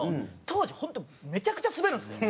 当時本当めちゃくちゃスベるんですよ。